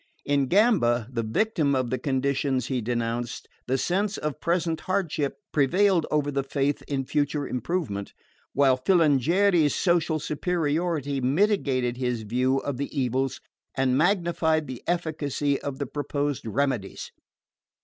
In Gamba, the victim of the conditions he denounced, the sense of present hardship prevailed over the faith in future improvement; while Filangieri's social superiority mitigated his view of the evils and magnified the efficacy of the proposed remedies.